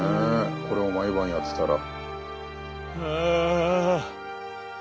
これを毎晩やってたら。